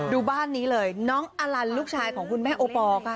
บ้านนี้เลยน้องอลันลูกชายของคุณแม่โอปอล์ค่ะ